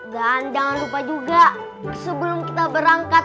dan jangan lupa juga sebelum kita berangkat